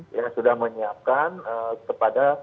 kita sudah menyiapkan kepada